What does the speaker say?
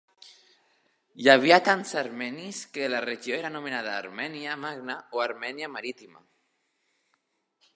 Hi havia tants armenis que la regió era anomenada Armènia Magna o Armènia Marítima.